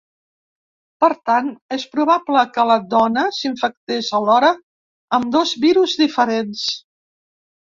Per tant, és probable que la dona s’infectés alhora amb dos virus diferents.